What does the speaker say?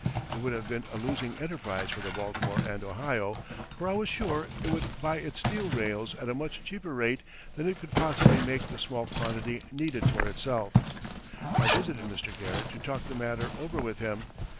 It would have been a losing enterprise for the Baltimore and Ohio, for I was sure it could buy its steel rails at a much cheaper rate than it could possibly make the small quantity needed for itself. I visited Mr. Garrett to talk the matter over with him.